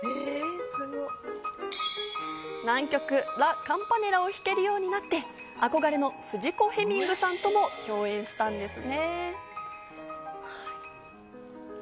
難曲『ラ・カンパネラ』を弾けるようになって憧れのフジコ・ヘミングさんとも共演したんですね。